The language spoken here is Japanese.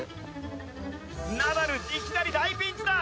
「ナダルいきなり大ピンチだ！」